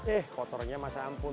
eh kotornya masa ampun